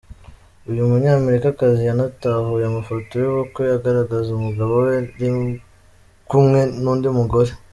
Uyu munyamerikakazi yanatahuye amafoto y’ubukwe agaragaza umugabo we ri kumwe n’undi mugore.